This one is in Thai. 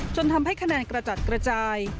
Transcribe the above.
ทำให้คะแนนกระจัดกระจาย